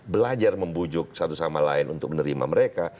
belajar membujuk satu sama lain untuk menerima mereka